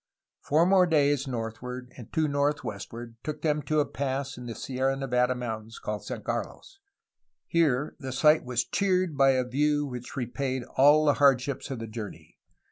"Four more days northward and two northwestward took them to a pass in the Sierra Nevada mountains called San Carlos. Here the sight was cheered by a view which repaid all the hardships of the journey.